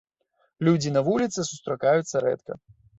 Людзі на вуліцы сустракаюцца рэдка.